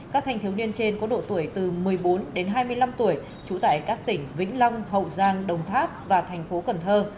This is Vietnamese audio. các thanh thiếu niên trên có độ tuổi từ một mươi bốn đến hai mươi năm tuổi trú tại các tỉnh vĩnh long hậu giang đồng tháp và thành phố cần thơ